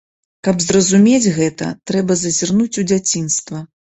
Каб зразумець гэта, трэба зазірнуць у дзяцінства.